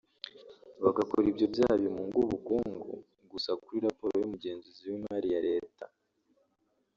Bagakora ibyo byaha bimunga ubukungu gusa kuri raporo y’Umugenzuzi w’imari ya leta